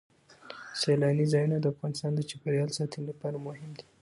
سیلانی ځایونه د افغانستان د چاپیریال ساتنې لپاره مهم دي.